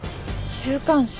週刊誌？